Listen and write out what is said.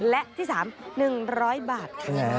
และที่๓หนึ่งร้อยบาท